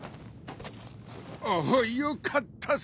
おおよかったすず。